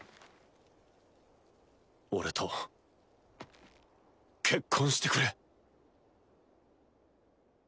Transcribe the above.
俺と結婚してくれ。